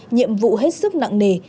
nhiệm vụ hết sức nặng nề